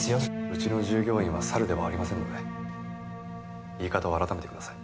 うちの従業員は猿ではありませんので言い方を改めてください。